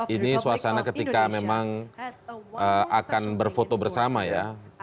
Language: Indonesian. ini suasana ketika memang akan berfoto bersama ya